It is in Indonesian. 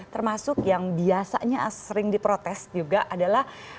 termasuk yang biasanya sering diprotes juga adalah